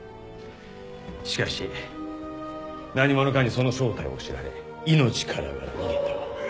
しかし何者かにその正体を知られ命からがら逃げた。